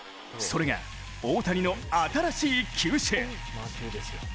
それが大谷の新しい球種。